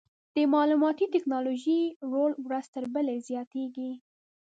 د معلوماتي ټکنالوژۍ رول ورځ تر بلې زیاتېږي.